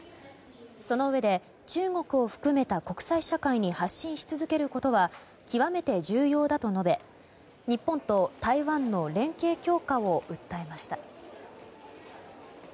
そのうえで中国を含めた国際社会に発信し続けることは極めて重要だと述べ日本と台湾の連携強化を訴えました。